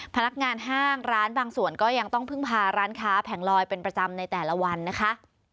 พนักงานห้างร้านบางส่วนก็ยังต้องพึ่งพาร้านค้าแผงลอยเป็นประจำในแต่ละวันนะคะ